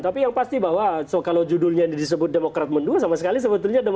tapi yang pasti bahwa kalau judulnya disebut demokrat mendua sama sekali sebetulnya